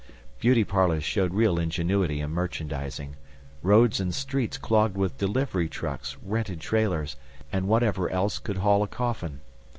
Beauty parlors showed real ingenuity in merchandising. Roads and streets clogged with delivery trucks, rented trailers, and whatever else could haul a coffin.